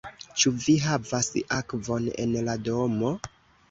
Ĉu vi havas akvon en la domo?